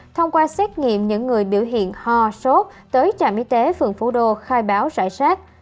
thông qua xét nghiệm những người biểu hiện ho sốt tới trạm y tế phường phú đô khai báo rải rác